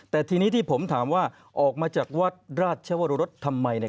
แต่ทีนี้ที่ผมถามว่าออกมาจากวัตรราชวรรษทำไม